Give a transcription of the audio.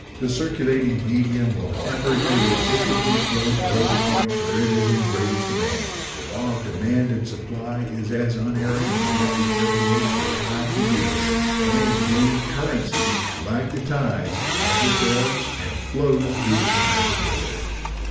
The circulating medium will ever irresistibly flow to those points where it is in greatest demand. The law of demand and supply is as unerring as that which regulates the tides of the ocean; and, indeed, currency, like the tides, has its ebbs and flows throughout the commercial world.